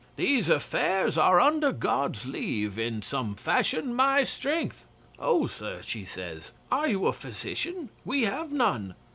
"These affairs are, under God's leave, in some fashion my strength." '"Oh, sir," she says, "are you a physician? We have none."